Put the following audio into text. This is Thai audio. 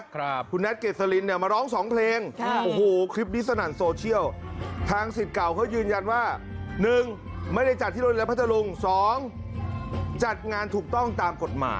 คุณแท็กเกษลินเนี่ยมาร้องสองเพลงค่ะโอ้โหคลิปนี้สนั่นโซเชียลทางสิทธิ์เก่าเขายืนยันว่าหนึ่งไม่ได้จัดที่โรงเรียนพัทธรุงสองจัดงานถูกต้องตามกฎหมาย